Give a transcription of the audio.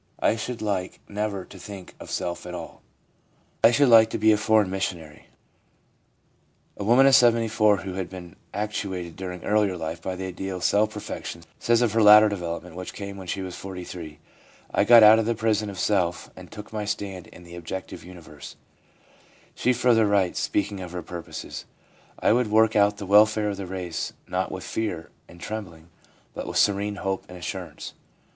I should like never to think of self at all. I should like to be a foreign missionary.' A woman of 74, who had been actuated during earlier life by the ideal of self perfection, says of her later development, which came when she was 43 : 'I got out of the prison of self, and took my stand in the objective universe/ She further writes, speaking of her purposes :' I would work out the welfare of the race, not with fear and trembling, but with serene hope and assurance.'